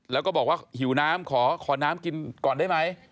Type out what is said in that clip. แล้วก็บอกว่าหิวน้ำขอน้ำกินก่อนได้ไหม